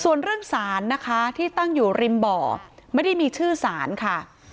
ส่วนเรื่องสารนะคะที่ตั้งอยู่ริมบ่อไม่ได้มีชื่อสารค่ะ